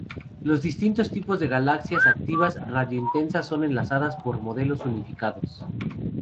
Los distintos tipos de galaxias activas radio-intensas son enlazadas por "modelos unificados".